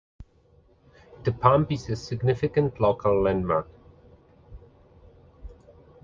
'The Pump' is a significant local landmark.